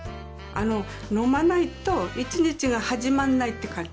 飲まないと一日が始まんないって感じ。